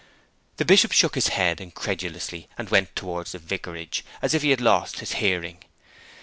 The Bishop shook his head incredulously and went towards the vicarage, as if he had lost his hearing.